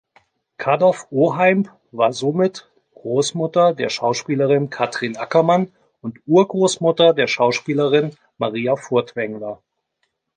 Kardorff-Oheimb war somit Großmutter der Schauspielerin Kathrin Ackermann und Urgroßmutter der Schauspielerin Maria Furtwängler.